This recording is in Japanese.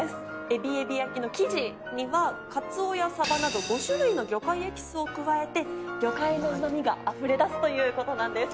えびえび焼きの生地にはカツオやサバなど。を加えて魚介のうま味があふれ出すということなんです。